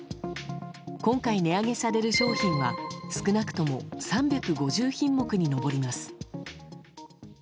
今回値上げされる商品は少なくとも３５０品目に上ります。